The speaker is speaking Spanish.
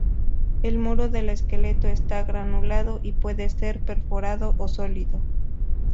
El muro del esqueleto está granulado, y puede ser perforado o sólido.